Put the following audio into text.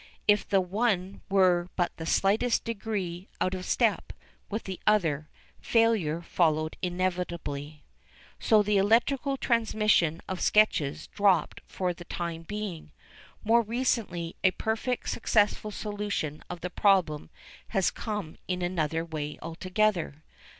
If the one were but the slightest degree "out of step" with the other, failure followed inevitably. So the electrical transmission of sketches dropped for the time being. More recently a perfectly successful solution of the problem has come in another way altogether.